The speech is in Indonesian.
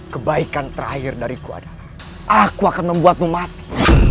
kebaikan terakhir dariku ada aku akan membuatmu mati